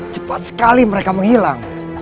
cepat sekali mereka menghilang